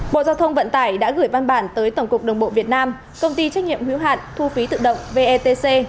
bộ giao thông vận tải đã gửi văn bản tới tổng cục đồng bộ việt nam công ty trách nhiệm hiếu hạn thu phí tự động vetc